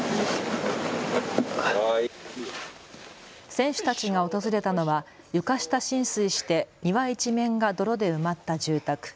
選手たちが訪れたのは床下浸水して庭一面が泥で埋まった住宅。